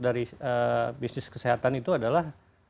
dari bisnis kesehatan itu adalah